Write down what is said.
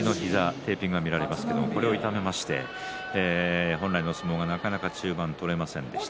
テーピングが見られますがそれを痛めまして本来の相撲がなかなか中盤取れませんでした。